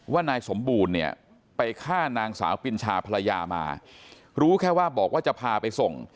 นายสมบูรณ์เนี่ยไปฆ่านางสาวปินชาภรรยามารู้แค่ว่าบอกว่าจะพาไปส่ง